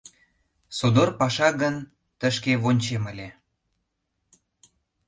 Содор паша гын, тышке вончем ыле.